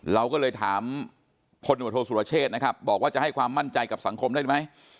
เราก็เลยถามพลตำรวจโทษสุรเชษนะครับบอกว่าจะให้ความมั่นใจกับสังคมได้ไหม